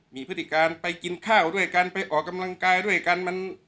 มีพฤติการไปกินข้าวด้วยกันไปออกกำลังกายด้วยกัน